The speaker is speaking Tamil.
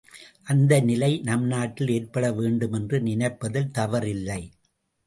அந்த நிலை நம் நாட்டில் ஏற்படவேண்டும் என்று நினைப்பதில் தவறு இல்லை.